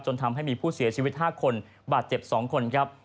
ทำให้มีผู้เสียชีวิต๕คนบาดเจ็บ๒คนครับ